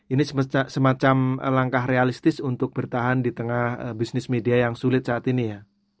ini semacam langkah realistis untuk bertahan di tengah bisnis media yang sulit saat ini ya